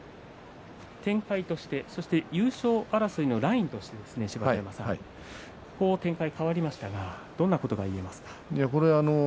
展開として、そして優勝争いのラインとして芝田山さん展開が変わりましたがどうですか？